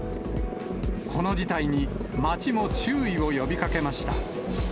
この事態に町も注意を呼びかけました。